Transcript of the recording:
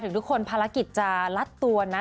ทุกคนภารกิจจะลัดตัวนะ